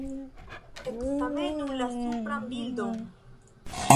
Ekzamenu la supran bildon.